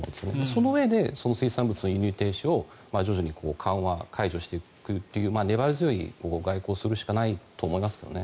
そのうえで水産物の輸入停止を徐々に緩和、解除していくっていう粘り強い外交をするしかないと思いますけどね。